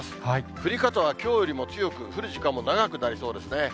降り方はきょうよりも強く、降る時間も長くなりそうですね。